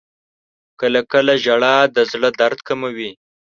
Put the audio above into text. • کله کله ژړا د زړه درد کموي.